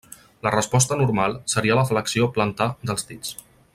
La resposta normal seria la flexió plantar dels dits.